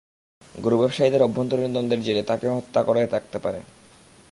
গরু ব্যবসায়ীদের অভ্যন্তরীণ দ্বন্দ্বের জেরেও তাঁকে হত্যা করা হয়ে থাকতে পারে।